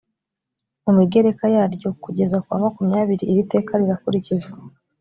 mu migereka yaryo kugeza kuwa makumyabiri iri teka rirakurikizwa